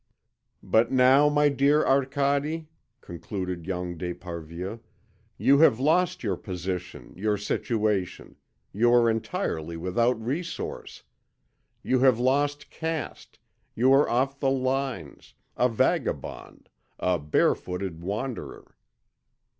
"But now, my dear Arcade," concluded young d'Esparvieu, "you have lost your position, your situation, you are entirely without resource. You have lost caste, you are off the lines, a vagabond, a bare footed wanderer."